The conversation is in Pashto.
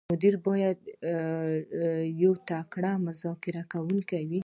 مدیر باید یو تکړه مذاکره کوونکی وي.